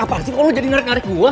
apaan sih lo jadi ngarik ngarik gue